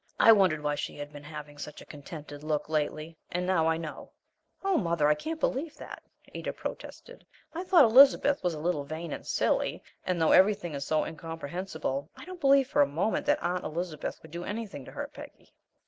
I wondered why she had been having such a contented look lately and now I know." "Oh, mother, I can't believe that!" Ada protested. "I thought Elizabeth was a little vain and silly, and, though everything is so incomprehensible, I don't believe for a moment that Aunt Elizabeth would do anything to hurt Peggy."